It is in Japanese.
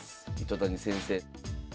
糸谷先生。